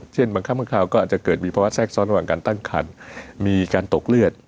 บางครั้งบางคราวก็อาจจะเกิดมีภาวะแทรกซ้อนระหว่างการตั้งคันมีการตกเลือด